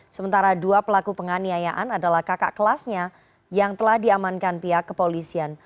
sementara dua pelaku penganiayaan adalah kakak kelasnya yang telah diamankan pihak kepolisian